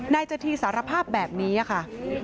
นายจดทีสารภาพแบบนี้ค่ะ